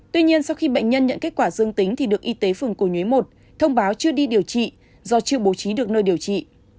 tuy nhiên sau khi bệnh nhân nhận kết quả dương tính thì được y tế phường cổ nhuế một thông báo chưa đi điều trị do chưa bố trí được nơi điều trị